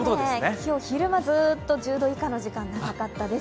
今日、昼間ずっと１０度以下の時間が長かったです。